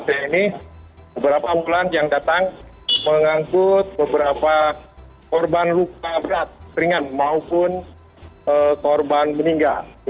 dan sehingga ini beberapa ambulan yang datang mengangkut beberapa korban luka berat ringan maupun korban meninggal